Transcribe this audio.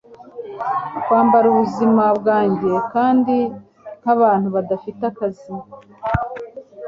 Kwambura ubuzima bwanjye kandi nkabantu badafite akazi